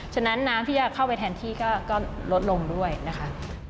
ฉะนั้นน้ำที่จะเข้าไปแทนที่ก็ลดลงด้วยนะคะ